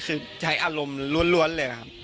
คือใช้อารมณ์รวดเลยค่ะ